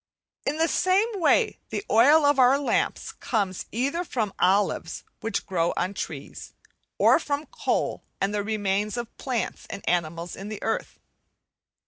In the same way the oil of our lamps comes either from olives, which grow on trees; or from coal and the remains of plants and animals in the earth.